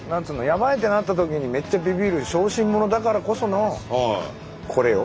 やばいってなった時にめっちゃビビる小心者だからこそのこれよ。